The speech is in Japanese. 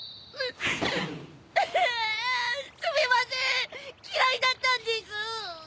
わんすみません嫌いだったんです。